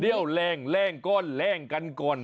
เรียวแรงกรแร่งการก่อน